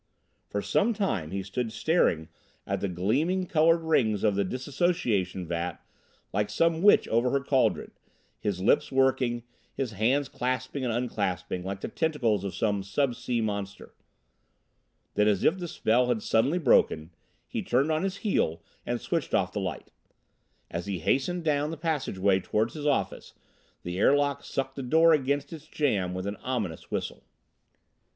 For some time he stood staring at the gleaming colored rings of his dissociation vat like some witch over her cauldron, his lips working, his hands clasping and unclasping like the tentacles of some sub sea monster. Then, as if the spell had suddenly broken, he turned on his heel and switched off the light. As he hastened down the passageway toward his office, the airlock sucked the door against its jamb with an ominous whistle.